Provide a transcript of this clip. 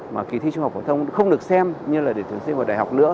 mà kỳ thi trung học phổ thông không được xem như là để thường xuyên vào đại học nữa